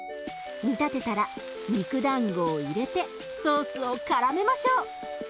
煮立てたら肉だんごを入れてソースをからめましょう。